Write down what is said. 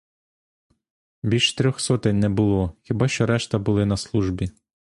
Більш трьох сотень не було — хіба що решта були на службі.